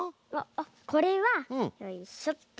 あっこれはよいしょっと。